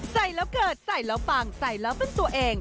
ใส่แล้วเกิดใส่แล้วปังใส่แล้วเป็นตัวเอง